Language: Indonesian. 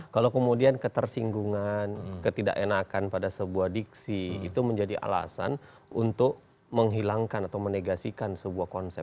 kalau kemudian ketersinggungan ketidakenakan pada sebuah diksi itu menjadi alasan untuk menghilangkan atau menegasikan sebuah konsep